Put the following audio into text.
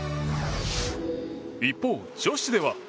一方、女子では。